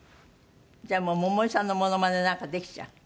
じゃあ桃井さんのモノマネなんかできちゃう？